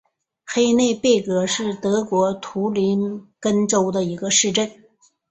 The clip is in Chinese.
黑内贝格是德国图林根州的一个市镇。